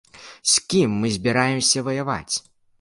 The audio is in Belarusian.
З кім мы збіраемся ваяваць?